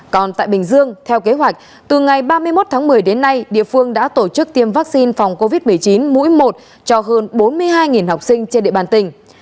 còn tại bình dương theo kế hoạch từ ngày ba mươi một tháng một mươi đến nay địa phương đã tổ chức tiêm vaccine phòng covid một mươi chín mũi một cho hơn bốn mươi hai học sinh trên địa bàn tỉnh